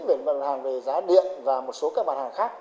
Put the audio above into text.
về mặt hàng về giá điện và một số các mặt hàng khác